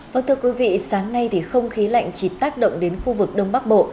vâng thưa quý vị sáng nay thì không khí lạnh chỉ tác động đến khu vực đông bắc bộ